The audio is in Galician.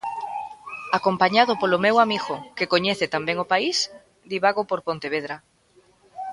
Acompañado polo meu amigo, que coñece tan ben o país, divago por Pontevedra.